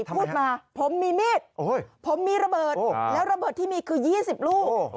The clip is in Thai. พูดมาผมมีมีดผมมีระเบิดแล้วระเบิดที่มีคือ๒๐ลูก